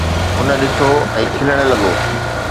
هن ڏٺو ۽ کلڻ لڳو.